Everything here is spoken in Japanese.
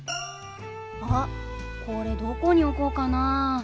あっこれどこに置こうかな。